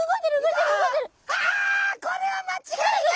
あこれは間違いない！